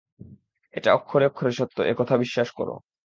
এটা অক্ষরে অক্ষরে সত্য, এ কথা বিশ্বাস কর।